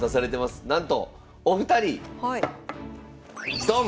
なんとお二人ドン！